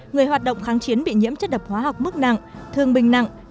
người hoạt động kháng chiến bị nhiễm chất độc hóa học mức nặng thương bình nặng